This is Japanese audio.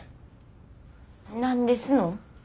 何ですの？